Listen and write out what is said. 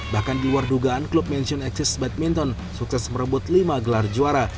bahkan di luar dugaan klub mansion access badminton sukses merebut lima gelar juara